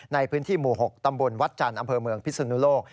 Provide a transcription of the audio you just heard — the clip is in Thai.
ในพื้นที่หมู่๖ตำบลวัดจันทร์อำเภอเมืองพิศนุโลก